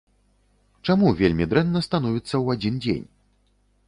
Чаму вельмі дрэнна становіцца ў адзін дзень?